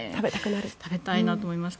食べたいなと思いました。